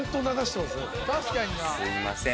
すいません。